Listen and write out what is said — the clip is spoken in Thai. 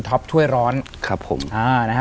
แต่ขอให้เรียนจบปริญญาตรีก่อน